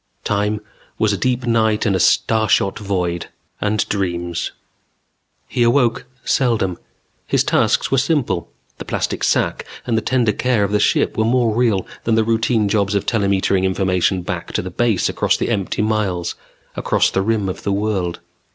Time was a deep night and a starshot void. And dreams. He awoke seldom. His tasks were simple. The plastic sac and the tender care of the ship were more real than the routine jobs of telemetering information back to the Base across the empty miles, across the rim of the world.